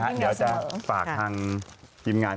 เบาไม่ใช่อ่าอ่านะพี่นา